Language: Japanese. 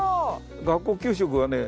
学校給食はね